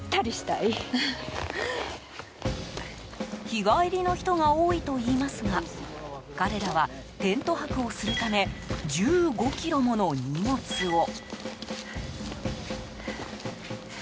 日帰りの人が多いといいますが彼らはテント泊をするため１５ｋｇもの荷物を。